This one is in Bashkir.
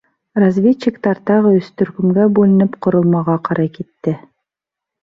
Разведчиктар тағы өс төркөмгә бүленеп ҡоролмаға ҡарай китте.